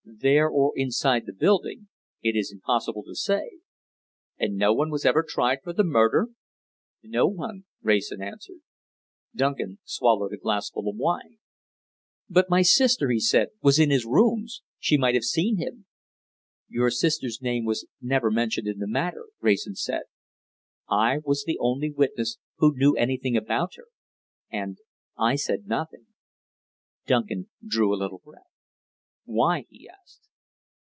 "There or inside the building! It is impossible to say." "And no one was ever tried for the murder?" "No one," Wrayson answered. Duncan swallowed a glassful of wine. "But my sister," he said, "was in his rooms she might have seen him!" "Your sister's name was never mentioned in the matter," Wrayson said. "I was the only witness who knew anything about her and I said nothing." Duncan drew a little breath. "Why?" he asked.